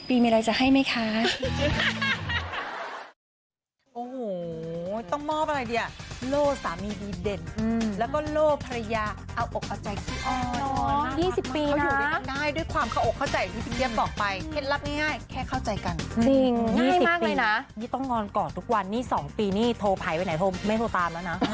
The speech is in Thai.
ปีมีอะไรจะให้ไหมคะ